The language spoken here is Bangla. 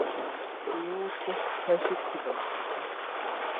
তিনি উচ্চ শিক্ষায় শিক্ষিত।